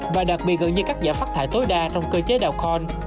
và đặc biệt gần như các giả pháp thải tối đa trong cơ chế đào con